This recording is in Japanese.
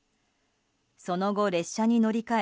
その後、列車に乗り換え